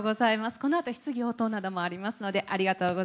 このあと質疑応答などもありますので。